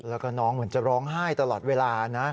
แล้วก็น้องเหมือนจะร้องไห้ตลอดเวลานะ